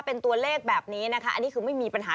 เป็นตัวเลขแบบนี้นะคะอันนี้คือไม่มีปัญหา